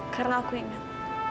karena aku ingat